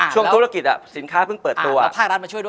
ช่วงธุรกิจสินค้าเพิ่งเปิดตัวพ่ายรัฐมาช่วยด้วย